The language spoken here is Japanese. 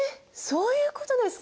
そういうことですか？